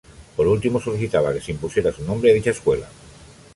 Por último, solicitaba que se impusiera su nombre a dicha escuela.